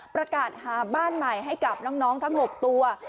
ประกาศหาบ้านใหม่ให้กับน้องทั้ง๖ตัว